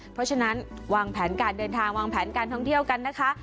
เพราะฉะนั้นวางแผนการเดินทางวางแผนการท่องเที่ยวกันนะคะ